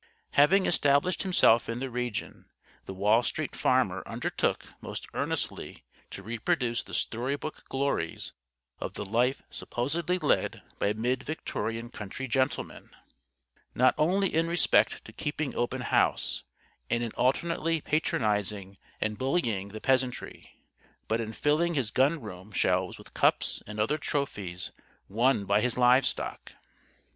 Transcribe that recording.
Having established himself in the region, the Wall Street Farmer undertook most earnestly to reproduce the story book glories of the life supposedly led by mid Victorian country gentlemen. Not only in respect to keeping open house and in alternately patronizing and bullying the peasantry, but in filling his gun room shelves with cups and other trophies won by his livestock.